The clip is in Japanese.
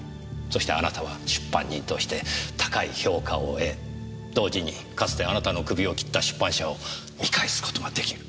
そしてあなたは出版人として高い評価を得同時にかつてあなたの首を切った出版社を見返すことができる！